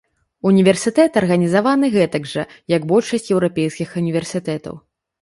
Універсітэт арганізаваны гэтак жа, як большасць еўрапейскіх універсітэтаў.